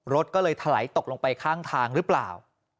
รถก็เลยถลายตกลงไปข้างทางหรือเปล่า